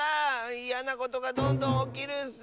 いやなことがどんどんおきるッス！